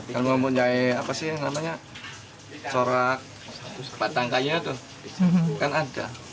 kalau mempunyai apa sih namanya corak batang kayunya tuh kan ada